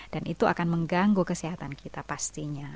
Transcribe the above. dan itu akan mengganggu kesehatan kita pastinya